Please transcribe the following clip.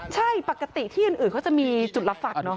ใช่ปกติที่อื่นเขาจะมีจุดรับฝักเนาะ